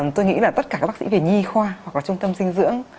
tôi nghĩ là tất cả các bác sĩ về nhi khoa hoặc là trung tâm dinh dưỡng